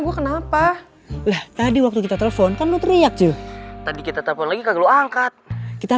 gue kenapa tadi waktu kita telepon kamu teriak tuh tadi kita telepon lagi kalau angkat kita